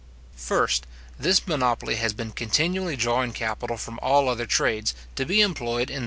First, This monopoly has been continually drawing capital from all other trades, to be employed in that of the colonies.